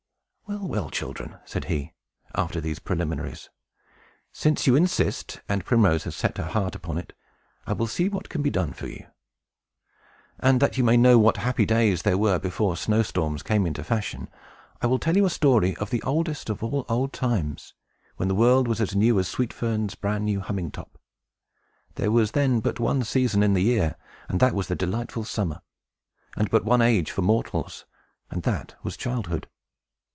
"Well, well, children," said he, after these preliminaries, "since you insist, and Primrose has set her heart upon it, I will see what can be done for you. And, that you may know what happy days there were before snow storms came into fashion, I will tell you a story of the oldest of all old times, when the world was as new as Sweet Fern's bran new humming top. There was then but one season in the year, and that was the delightful summer; and but one age for mortals, and that was childhood."